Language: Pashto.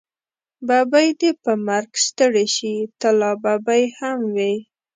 ببۍ دې په مرګ ستړې شې، ته لا ببۍ هم وی.